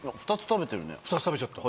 ２つ食べちゃった。